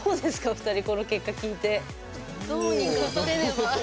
お二人この結果聞いて。